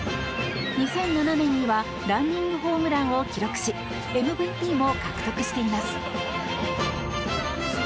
２００７年にはランニングホームランを記録しＭＶＰも獲得しています。